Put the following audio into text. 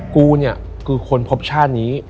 กูเนี่ยคือคนพบชาตินี้